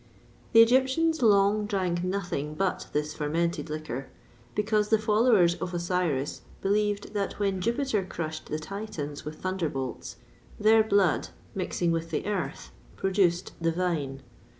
[XXVI 7] The Egyptians long drank nothing but this fermented liquor, because the followers of Osiris believed that when Jupiter crushed the Titans with thunderbolts, their blood, mixing with the earth, produced the vine.